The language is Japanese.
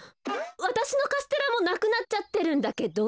わたしのカステラもなくなっちゃってるんだけど。